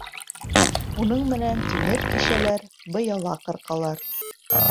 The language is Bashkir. Уның менән тимер тишәләр, быяла ҡырҡалар.